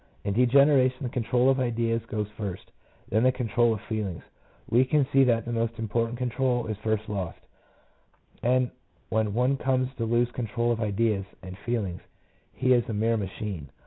In degeneration the control of ideas goes first, then the control of feelings. We can see that the most important control is first lost, and when one comes to lose control of ideas and feelings he is a mere machine.